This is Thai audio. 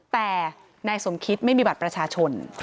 แต่นายสมคิดไม่มีบัตรประชาชน